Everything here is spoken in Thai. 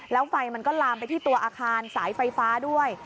แล้วไฟมันก็ลามไปที่ตัวอาคารสายไฟฟ้าด้วย